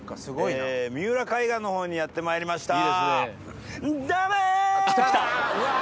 三浦海岸のほうにやってまいりました。